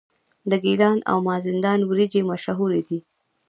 د ګیلان او مازندران وریجې مشهورې دي.